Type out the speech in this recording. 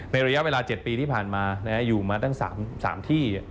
ระยะเวลา๗ปีที่ผ่านมาอยู่มาตั้ง๓ที่